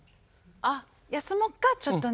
あっ休もっかちょっとね。